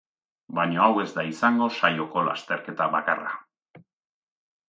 Baina hau ez da izango saioko lasterketa bakarra.